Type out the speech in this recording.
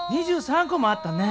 ２３こもあったね！